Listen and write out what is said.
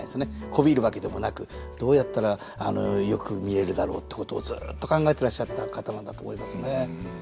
媚びるわけでもなくどうやったらよく見えるだろうってことをずっと考えてらっしゃった方なんだと思いますね。